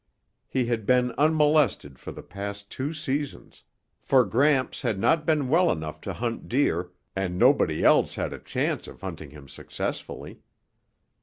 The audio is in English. He had been unmolested for the past two seasons, for Gramps had not been well enough to hunt deer and nobody else had a chance of hunting him successfully.